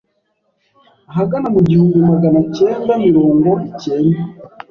Ahagana mu gihumbi maganacyenda mirongo icyenda